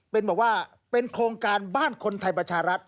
เป็นบอกว่าเป็นโครงการบ้านคนไทยประชารัฐ